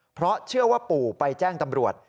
เพราะเชื่อว่าปู่ไปแจ้งตำรวจ